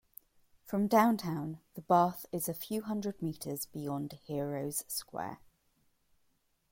From downtown, the bath is a few hundred metres beyond Heroes' Square.